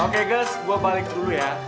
oke gus gue balik dulu ya